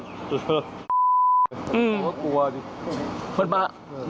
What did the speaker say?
คือคือไม่เหมือนกัน